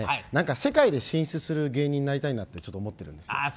世界に進出する芸人になりたいと思ったんですよ。